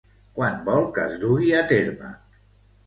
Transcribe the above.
Quan vol que es dugui a terme?